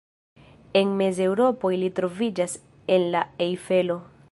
En Mezeŭropo ili troviĝas en la Ejfelo.